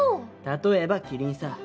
例えばキリンさ。